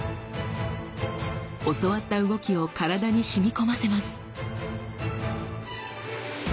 教わった動きを体に染み込ませます。